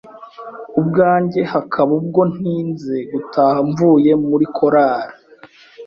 ubwanjye hakaba ubwo ntinze gutaha mvuye muri korari